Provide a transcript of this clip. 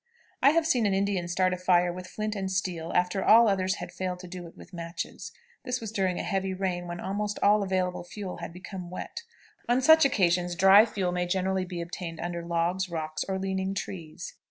I have seen an Indian start a fire with flint and steel after others had failed to do it with matches. This was during a heavy rain, when almost all available fuel had become wet. On such occasions dry fuel may generally be obtained under logs, rocks, or leaning trees.